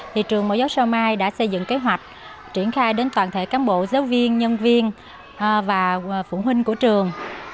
thì trường mẫu giáo sao mai đã xây dựng kế hoạch triển khai đến toàn thể cán bộ giáo viên nhân viên và phụ huynh của trường